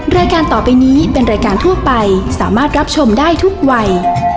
รายการต่อไปนี้เป็นรายการทั่วไปสามารถรับชมได้ทุกวัย